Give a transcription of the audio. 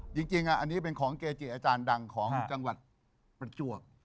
จริงอันนี้เป็นของเกจิอาจารย์ดังของจังหวัดประจวบ